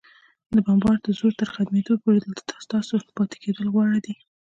د بمبار د زور تر ختمېدو پورې، دلته ستاسو پاتېدل غوره دي.